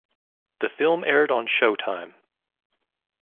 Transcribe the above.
The film aired on Showtime.